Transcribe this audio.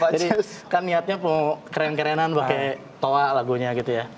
jadi kan niatnya mau keren kerenan pake toa lagunya gitu ya